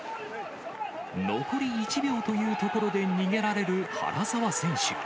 残り１秒というところで逃げられる原沢選手。